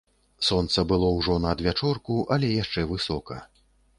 Сонца было ўжо на адвячорку, але яшчэ высока.